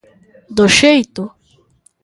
¿Do xeito?